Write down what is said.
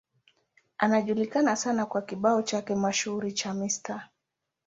Anajulikana sana kwa kibao chake mashuhuri cha Mr.